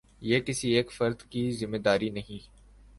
یہ کسی ایک فرد کی ذمہ داری نہیں۔